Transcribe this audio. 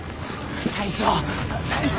大将大将！